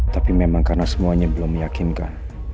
tapi memang karena semuanya belum meyakinkan